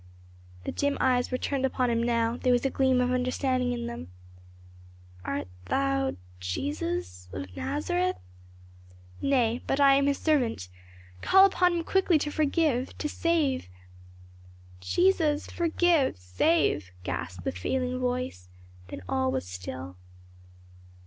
The dim eyes were turned upon him now; there was a gleam of understanding in them. "Art thou Jesus of Nazareth?" "Nay, I am but his servant. Call upon him quickly to forgive to save." "Jesus forgive save!" gasped the failing voice, then all was still.